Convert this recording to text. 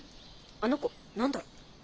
あの子何だろ。